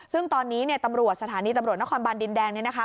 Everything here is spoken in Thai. ซึ่งตอนนี้เนี่ยตำรวจสถานีตำรวจนครบานดินแดงเนี่ยนะคะ